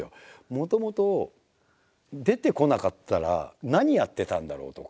もともと出てこなかったら何やってたんだろう？とか。